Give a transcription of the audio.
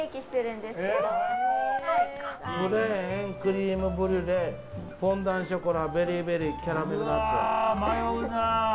プレーン、クリームブリュレフォンダンショコラベリーベリー、キャラメルナッツ。